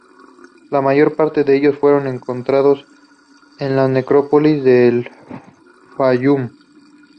La mayor parte de ellos fueron encontrados en las necrópolis de El Fayum.